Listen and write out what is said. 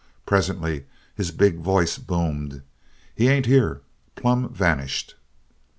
Presently his big voice boomed: "He ain't here. Plumb vanished."